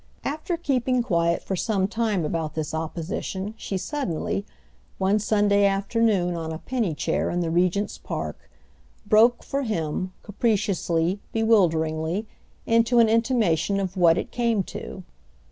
After keeping quiet for some time about this opposition she suddenly—one Sunday afternoon on a penny chair in the Regent's Park—broke, for him, capriciously, bewilderingly, into an intimation of what it came to.